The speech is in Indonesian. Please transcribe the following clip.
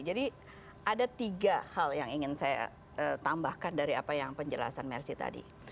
jadi ada tiga hal yang ingin saya tambahkan dari apa yang penjelasan mercy tadi